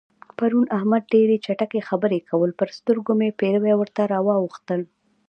پرون احمد ډېرې چټي خبرې کول؛ پر سترګو مې پېروي ورته راواوښتل.